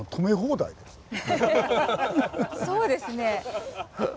そうですね。